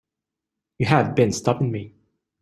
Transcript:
You have been stopping me.